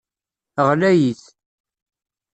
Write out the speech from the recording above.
Ɣlayit.